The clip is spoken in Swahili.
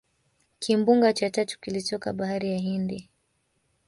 Kimbunga cha tatu kilitoka bahari ya hindi